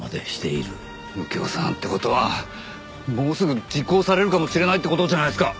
右京さんって事はもうすぐ実行されるかもしれないって事じゃないですか！